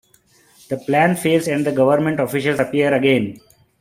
The plan fails and the government officials appear again.